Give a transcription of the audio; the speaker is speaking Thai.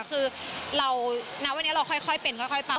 คือเราณวันนี้เราค่อยเป็นค่อยเปล่า